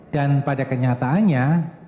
dan pada kenyataannya